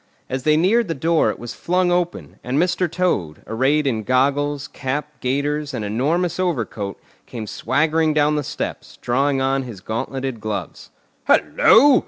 As they neared the door it was flung open, and Mr. Toad, arrayed in goggles, cap, gaiters, and enormous overcoat, came swaggering down the steps, drawing on his gauntleted gloves. "Hullo!